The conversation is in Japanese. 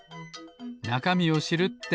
なかみを知るって。